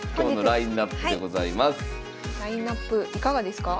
ラインナップいかがですか？